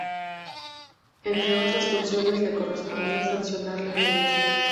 Entre otras funciones, le correspondía sancionar las leyes.